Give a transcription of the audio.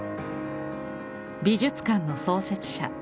美術館の創設者